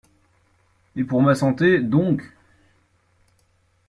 Et pour ma santé, donc!